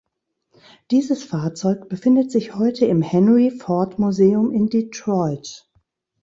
Dieses Fahrzeug befindet sich heute im Henry Ford Museum in Detroit.